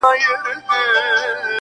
او تنها کيږي،